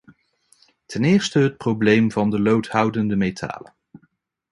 Ten eerste het probleem van de loodhoudende metalen.